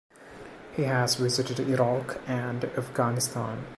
He has visited Iraq and Afghanistan.